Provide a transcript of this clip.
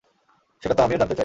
সেটা তো আমিও জানতে চাই!